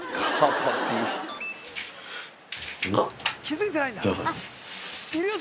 気付いてないんだいるよ